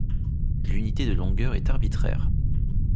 L'unité de longueur est arbitraire.